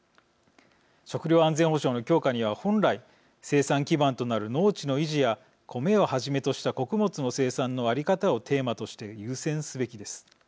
食料安全保障の強化には本来生産基盤となる農地の維持やコメをはじめとした穀物の生産の在り方をテーマとして優先すべきです。